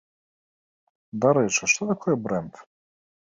Дарэчы, што такое брэнд?